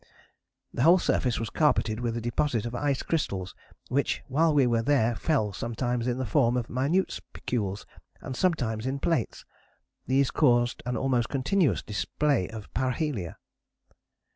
The whole surface was carpeted with a deposit of ice crystals which, while we were there, fell sometimes in the form of minute spicules and sometimes in plates. These caused an almost continuous display of parhelia.